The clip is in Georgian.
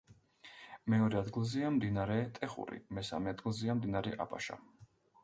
მეორე ადგილზეა მდინარე ტეხური, მესამე ადგილზეა მდინარე აბაშა.